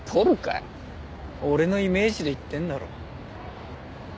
俺のイメージで言ってんだろ。